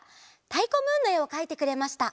「たいこムーン」のえをかいてくれました。